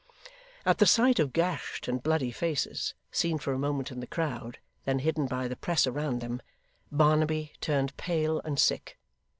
At the sight of gashed and bloody faces, seen for a moment in the crowd, then hidden by the press around them, Barnaby turned pale and sick.